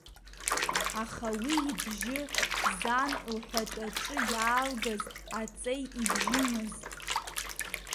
Аха уи ибжьы, зан лҳәатәаҿы иаалгаз аҵеи ибжьымызт.